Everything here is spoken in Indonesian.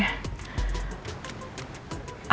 kok gak diangkat sih teleponnya